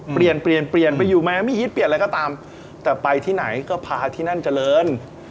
เปลี่ยนไปอยู่แม้ไม่คิดเปลี่ยนอะไรก็ตามแต่ไปที่ไหนก็พาที่นั่นเจริญ